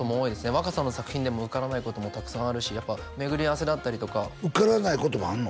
若さんの作品でも受からないこともたくさんあるしやっぱ巡り合わせだったりとか受からないこともあんの？